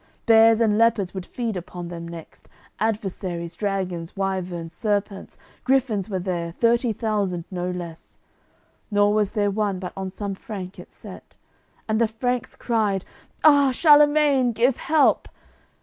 Bears and leopards would feed upon them next; Adversaries, dragons, wyverns, serpents, Griffins were there, thirty thousand, no less, Nor was there one but on some Frank it set. And the Franks cried: "Ah! Charlemagne, give help!"